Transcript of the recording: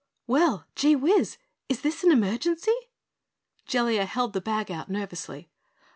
_" "Well, Geewhiz is this an emergency?" Jellia held the bag out, nervously.